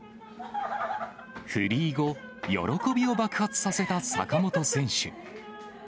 フリー後、喜びを爆発させた坂本選手。